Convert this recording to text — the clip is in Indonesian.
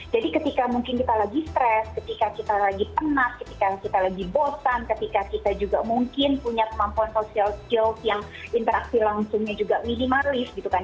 jadi ketika mungkin kita lagi stres ketika kita lagi tenas ketika kita lagi bosan ketika kita juga mungkin punya kemampuan social skills yang interaksi langsungnya juga minimalis gitu kan